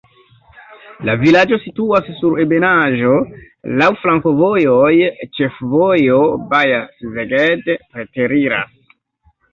La vilaĝo situas sur ebenaĵo, laŭ flankovojoj, ĉefvojo Baja-Szeged preteriras.